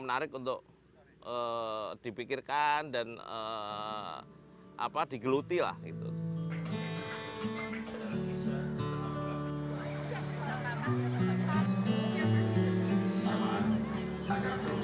menarik untuk dipikirkan dan eh apa digeluti lah itu bisa